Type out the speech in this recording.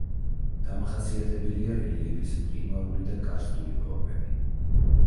დამახასიათებელია რელიეფის მყინვარული და კარსტული ფორმები.